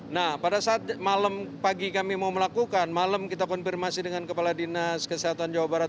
nah pada saat malam pagi kami mau melakukan malam kita konfirmasi dengan kepala dinas kesehatan jawa barat